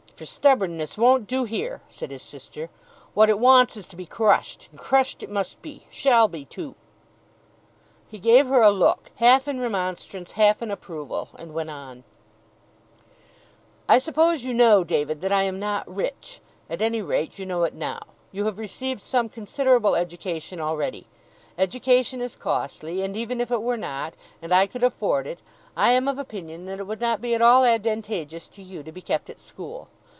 'For stubbornness won't do here,' said his sister 'What it wants is, to be crushed. And crushed it must be. Shall be, too!' He gave her a look, half in remonstrance, half in approval, and went on: 'I suppose you know, David, that I am not rich. At any rate, you know it now. You have received some considerable education already. Education is costly; and even if it were not, and I could afford it, I am of opinion that it would not be at all advantageous to you to be kept at school.